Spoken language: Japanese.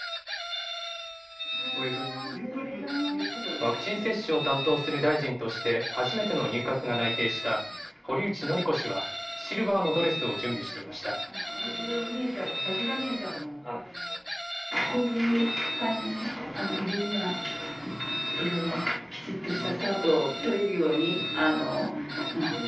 ワクチン接種を担当する大臣として、初めての入閣が内定した堀内詔子氏は、シルバーのドレスを準備していました。